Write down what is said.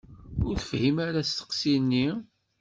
Ur tefhim ara asteqsi-nni.